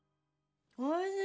おいしい。